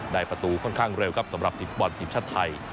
ประตูค่อนข้างเร็วครับสำหรับทีมฟุตบอลทีมชาติไทย